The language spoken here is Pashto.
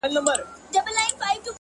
زما د زړه ډېوه روښانه سي’